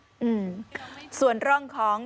อืมส่วนร่องของ